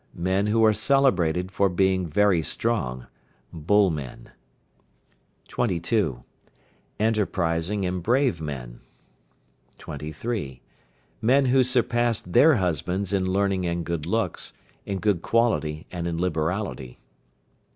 Men who are celebrated for being very strong (Bull men). 22. Enterprising and brave men. 23. Men who surpass their husbands in learning and good looks, in good quality, and in liberality.